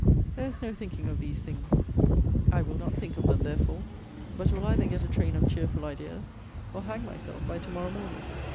There is no thinking of these things! I will not think of them, therefore; but will either get a train of cheerful ideas, or hang myself by to morrow morning.